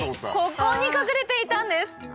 ここに隠れていたんです。